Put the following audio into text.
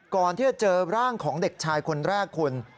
ก่อนที่จะเจอร่างของเด็กชายคนแรกคุณ